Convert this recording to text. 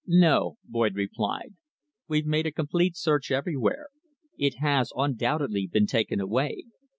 "No," Boyd replied. "We've made a complete search everywhere. It has undoubtedly been taken away.